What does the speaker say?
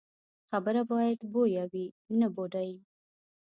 خبره باید بویه وي، نه بوډۍ.